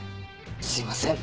すいません。